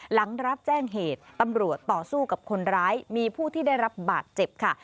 หลังรับแจ้งเหตุตำรวจต่อสู้กับคนร้ายมีผู้ที่ได้รับบาดเจ็บค่ะ